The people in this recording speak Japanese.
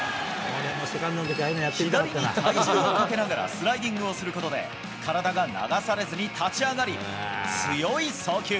左に体重をかけながらスライディングをすることで、体が流されずに立ち上がり、強い送球。